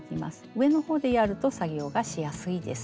上の方でやると作業がしやすいです。